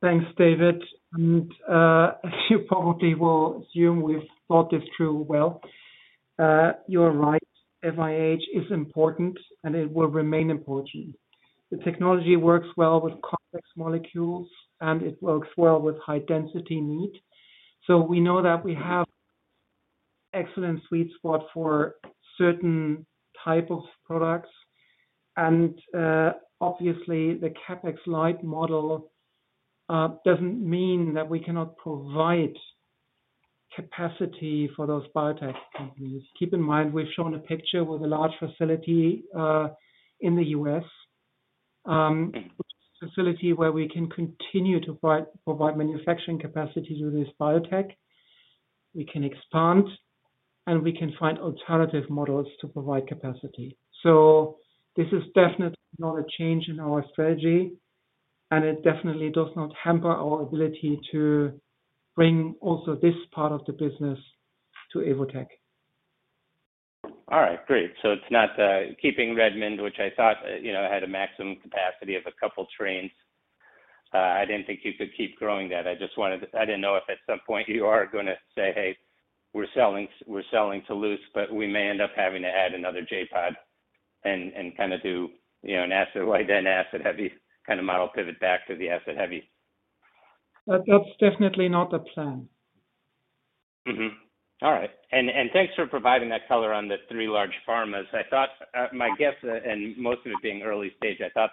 Thanks, David. As you probably will assume, we've thought this through well. You're right. FIH is important, and it will remain important. The technology works well with complex molecules, and it works well with high-density need. We know that we have an excellent sweet spot for certain types of products. Obviously, the CapEx-light model doesn't mean that we cannot provide capacity for those biotech companies. Keep in mind, we've shown a picture with a large facility in the U.S. It's a facility where we can continue to provide manufacturing capacity to this biotech. We can expand, and we can find alternative models to provide capacity. This is definitely not a change in our strategy, and it definitely does not hamper our ability to bring also this part of the business to Evotec.
All right. Great. It's not keeping Redmond, which I thought had a maximum capacity of a couple of trains. I didn't think you could keep growing that. I just wanted to know if at some point you are going to say, "Hey, we're selling Toulouse, but we may end up having to add another J.POD and kind of do an asset-light and asset-heavy kind of model, pivot back to the asset-heavy.
That's definitely not a plan.
All right. Thanks for providing that color on the three large pharmas. I thought, my guess, and most of it being early stage, I thought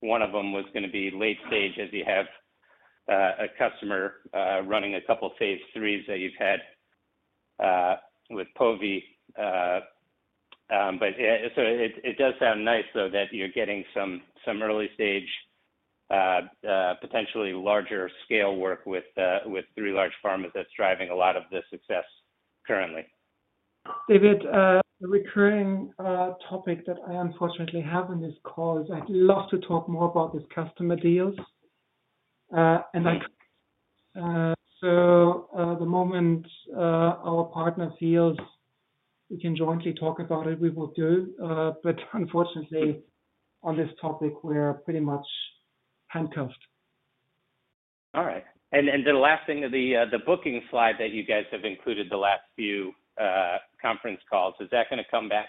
one of them was going to be late stage as you have a customer running a couple of phase IIIs that you've had with [POVI]. It does sound nice, though, that you're getting some early-stage, potentially larger-scale work with three large pharmas that's driving a lot of the success currently.
David, the recurring topic that I unfortunately have in these calls, I'd love to talk more about these customer deals. The moment our partner feels we can jointly talk about it, we will do. Unfortunately, on this topic, we're pretty much handcuffed.
All right. The last thing on the booking slide that you guys have included the last few conference calls, is that going to come back?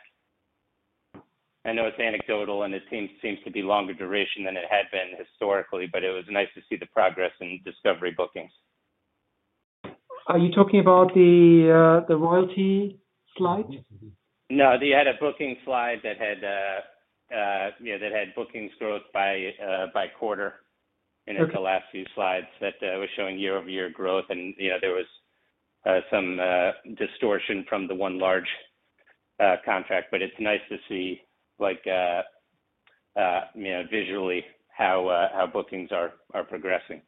I know it's anecdotal, and it seems to be longer duration than it had been historically, but it was nice to see the progress in discovery bookings.
Are you talking about the royalty slide?
They had a booking slide that had bookings growth by quarter in the last few slides that were showing year-over-year growth. There was some distortion from the one large contract, but it's nice to see visually how bookings are progressing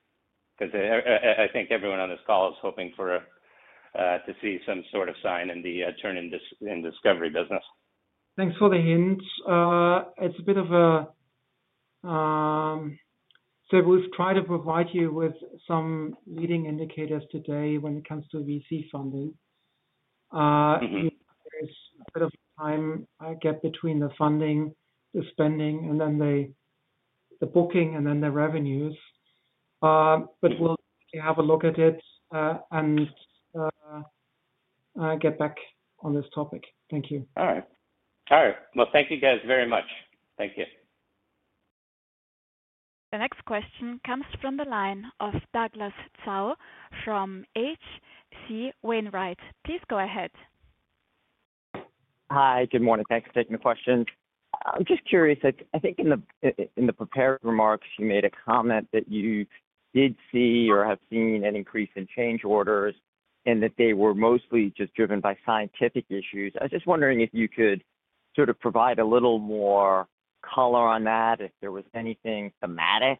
because I think everyone on this call is hoping to see some sort of sign in the turn in discovery business.
Thanks for the hints. It's a bit of a, we've tried to provide you with some leading indicators today when it comes to VC funding. There's a bit of time I get between the funding, the spending, and then the booking, and then the revenues. We'll have a look at it and get back on this topic. Thank you.
All right. Thank you guys very much. Thank you.
The next question comes from the line of Douglas Tsao from H.C. Wainwright. Please go ahead.
Hi. Good morning. Thanks for taking the questions. I'm just curious. I think in the prepared remarks, you made a comment that you did see or have seen an increase in change orders and that they were mostly just driven by scientific issues. I was just wondering if you could sort of provide a little more color on that, if there was anything thematic,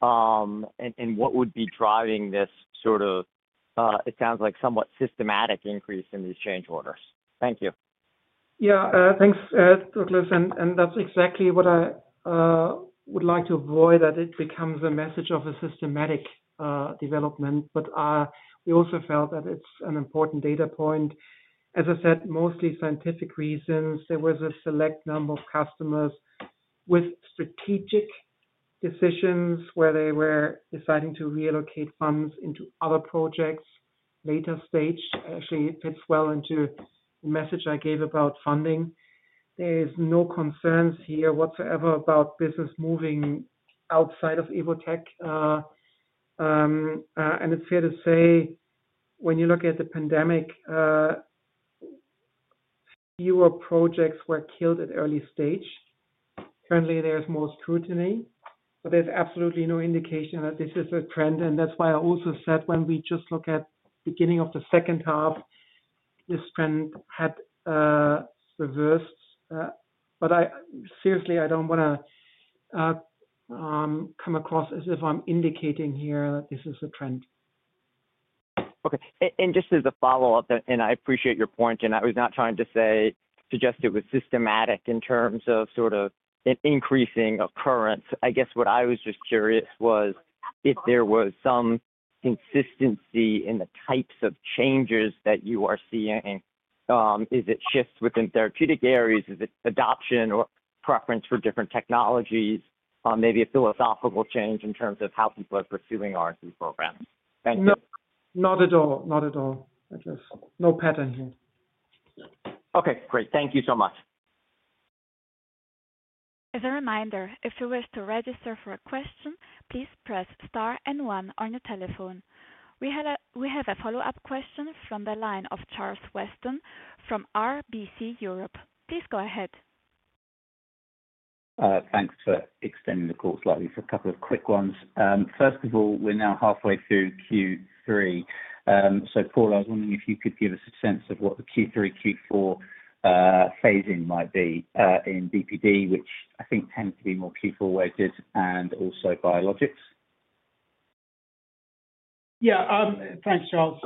and what would be driving this sort of, it sounds like somewhat systematic increase in these change orders. Thank you.
Yeah, thanks, Douglas. That's exactly what I would like to avoid, that it becomes a message of a systematic development. We also felt that it's an important data point. As I said, mostly scientific reasons. There was a select number of customers with strategic decisions where they were deciding to reallocate funds into other projects. Later stage actually fits well into the message I gave about funding. There's no concerns here whatsoever about business moving outside of Evotec. It's fair to say when you look at the pandemic, fewer projects were killed at early stage. Currently, there's more scrutiny. There's absolutely no indication that this is a trend. That's why I also said when we just look at the beginning of the second half, this trend had, Reversed, but I seriously don't want to come across as if I'm indicating here that this is a trend.
Okay. Just as a follow-up, I appreciate your point, and I was not trying to suggest it was systematic in terms of an increasing occurrence. I guess what I was just curious about was if there was some consistency in the types of changes that you are seeing. Is it shifts within therapeutic areas? Is it adoption or preference for different technologies? Maybe a philosophical change in terms of how people are pursuing R&D programs? Thank you.
No, not at all. I just, no pattern here.
Okay, great. Thank you so much.
As a reminder, if you wish to register for a question, please press star and one on your telephone. We have a follow-up question from the line of Charles Weston from RBC Europe. Please go ahead.
Thanks for extending the call slightly for a couple of quick ones. First of all, we're now halfway through Q3. Paul, I was wondering if you could give us a sense of what the Q3, Q4 phasing might be in D&PD, which I think tends to be more Q4-weighted and also biologics.
Thanks, Charles.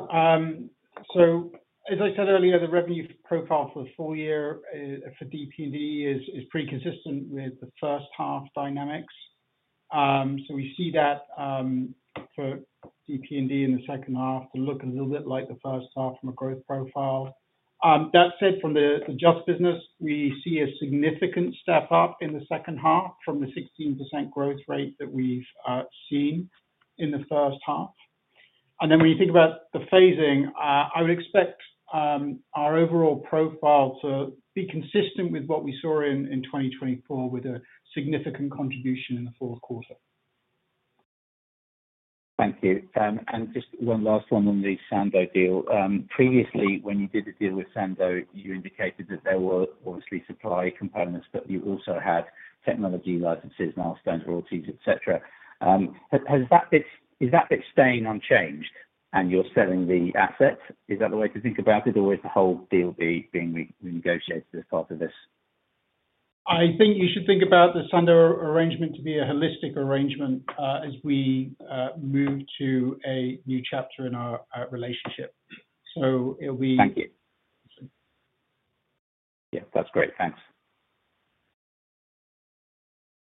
As I said earlier, the revenue profile for the full year for D&PD is pretty consistent with the first half dynamics. We see that for D&PD in the second half to look a little bit like the first half from a growth profile. That said, from the Just business, we see a significant step up in the second half from the 16% growth rate that we've seen in the first half. When you think about the phasing, I would expect our overall profile to be consistent with what we saw in 2024 with a significant contribution in the fourth quarter.
Thank you. Just one last one on the Sandoz deal. Previously, when you did the deal with Sandoz, you indicated that there were obviously supply components, but you also had technology licenses, milestones, royalties, etc. Is that bit staying unchanged and you're selling the assets? Is that the way to think about it, or is the whole deal being renegotiated as part of this?
I think you should think about the Sandoz arrangement to be a holistic arrangement as we move to a new chapter in our relationship.
Yeah, that's great. Thanks.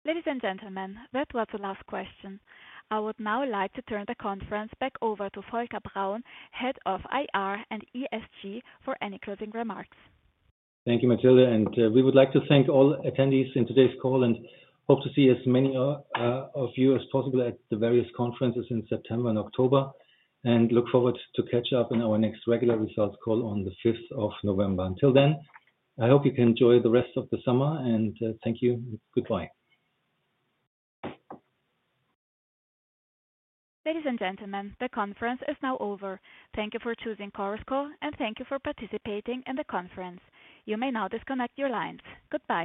Ladies and gentlemen, that was the last question. I would now like to turn the conference back over to Volker Braun, Head of IR and ESG, for any closing remarks.
Thank you, Matilde. We would like to thank all attendees in today's call and hope to see as many of you as possible at the various conferences in September and October. We look forward to catching up in our next regular results call on the 5th of November. Until then, I hope you can enjoy the rest of the summer and thank you. Goodbye.
Ladies and gentlemen, the conference is now over. Thank you for choosing Courseco, and thank you for participating in the conference. You may now disconnect your lines. Goodbye.